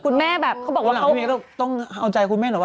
ได้เห็นไหม